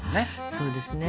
そうですね。